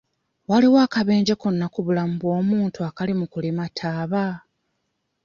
Waliwo akabenje konna ku bulamu bw'omuntu akali mu kulima taaba?